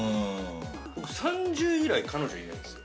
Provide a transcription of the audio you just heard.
◆僕、３０歳以来彼女いないんですよ。